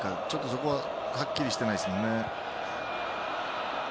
そこははっきりしてないですもんね。